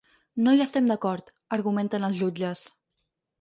No hi estem d’acord, argumenten els jutges.